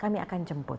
kami akan jemput